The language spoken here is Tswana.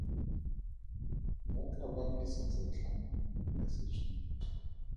Ba ka bapisa setlhangwa le ditshwantsho.